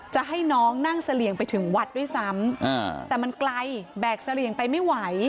จะให้น้องนั่งเสลี่ยงไปถึงวัดด้วยซ้ำแต่มันไกลแบกเสลี่ยงไปไม่ไหว